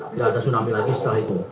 tidak ada tsunami lagi setelah itu